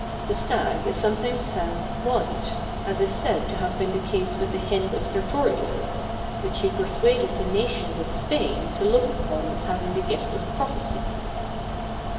The stag is sometimes found white, as is said to have been the case with the hind of Sertorius, which he persuaded the nations of Spain to look upon as having the gift of prophecy.